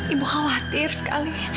ibu khawatir sekali